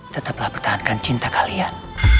tetaplah pertahankan cinta kalian